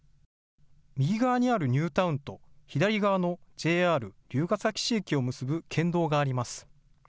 右側にあるニュータウンと左側のＪＲ龍ケ崎市駅を結ぶ県道があります。